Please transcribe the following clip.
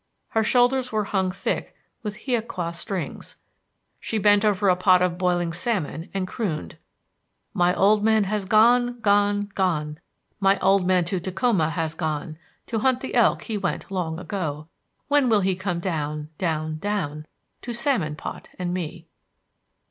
Her shoulders were hung thick with hiaqua strings. She bent over a pot of boiling salmon and crooned: "My old man has gone, gone, gone. My old man to Tacoma has gone. To hunt the elk he went long ago. When will he come down, down, down To salmon pot and me?"